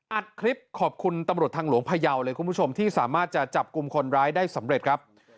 อัดคลิปขอบคุณตำรวจทางหลวงพยาวเลยคุณผู้ชมที่สามารถจะจับกลุ่มคนร้ายได้สำเร็จครับ